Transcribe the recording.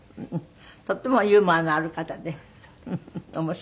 とってもユーモアのある方で面白かったです。